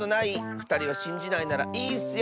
ふたりはしんじないならいいッスよ。